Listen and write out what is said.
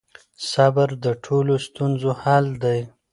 صبر د ټولو ستونزو حل دی.